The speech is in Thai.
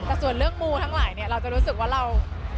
แต่ส่วนเรื่องมูทั้งหลายเนี่ยเราจะรู้สึกว่าเรา